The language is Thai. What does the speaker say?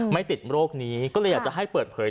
ติดโรคนี้ก็เลยอยากจะให้เปิดเผย